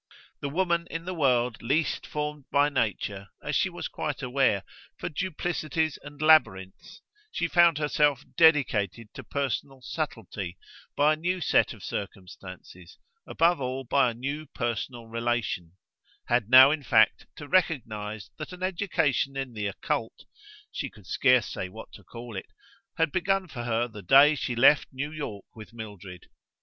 The woman in the world least formed by nature, as she was quite aware, for duplicities and labyrinths, she found herself dedicated to personal subtlety by a new set of circumstances, above all by a new personal relation; had now in fact to recognise that an education in the occult she could scarce say what to call it had begun for her the day she left New York with Mildred.